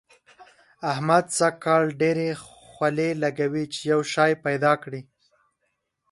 احمد سږ کال ډېرې خولې لګوي چي يو شی پيدا کړي.